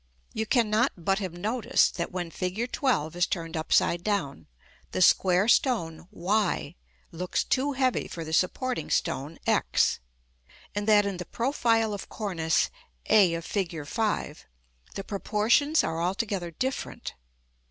You cannot but have noticed that when Fig. XII. is turned upside down, the square stone (Y) looks too heavy for the supporting stone (X); and that in the profile of cornice (a of Fig. V.) the proportions are altogether different.